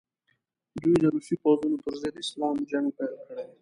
دوی د روسي پوځونو پر ضد اسلامي جنګ پیل کړي.